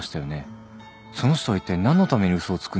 その人はいったい何のために嘘をつくんでしょうか？